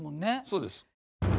そうです。